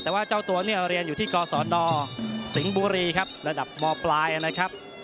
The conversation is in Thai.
เที่ยวเรียนอยู่ที่กศนสิงบุรีครับระดับมปลายนะครับ